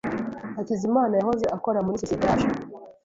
Hakizimana yahoze akora muri sosiyete yacu.